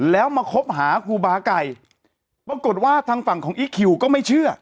แล้วมาคบหาครูบาไก่ปรากฏว่าทางฝั่งของอีคคิวก็ไม่เชื่อ